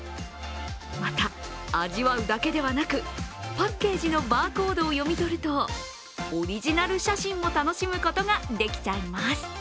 また、味わうだけではなく、パッケージのバーコードを読み取るとオリジナル写真も楽しむことができちゃいます。